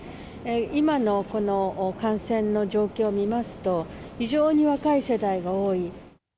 今のこの感染の状況を見ますと、非常に若い世代が多い。